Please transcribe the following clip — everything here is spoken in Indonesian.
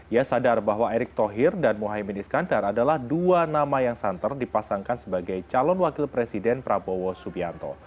ia sadar bahwa erick thohir dan mohaimin iskandar adalah dua nama yang santer dipasangkan sebagai calon wakil presiden prabowo subianto